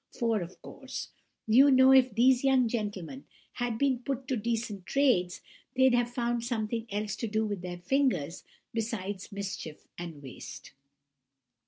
For, of course, you know if these young gentlemen had been put to decent trades, they'd have found something else to do with their fingers besides mischief and waste.